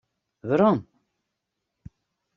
Werom.